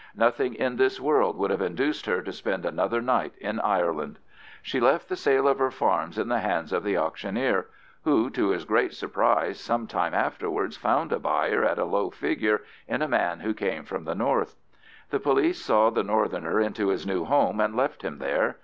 Nothing in this world would have induced her to spend another night in Ireland. She left the sale of her farms in the hands of the auctioneer, who, to his great surprise, some time afterwards found a buyer at a low figure in a man who came from the north. The police saw the northerner into his new home, and left him there.